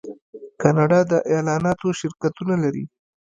کاناډا د اعلاناتو شرکتونه لري.